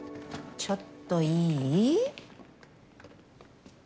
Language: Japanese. ちょっといい？